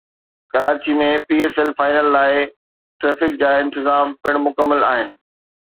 Karachi ۾ P S L final لاءِ traffic جا انتظام پڻ مڪمل آهن